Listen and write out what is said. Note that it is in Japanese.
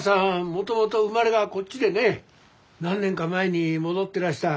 もともと生まれがこっちでね何年か前に戻ってらした。